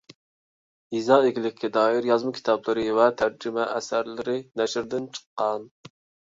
يېزا ئىگىلىككە دائىر يازما كىتابلىرى ۋە تەرجىمە ئەسەرلىرى نەشردىن چىققان.